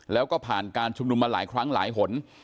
แล้วก็ผ่านการชุมนุมมาหลายครั้งหลายหน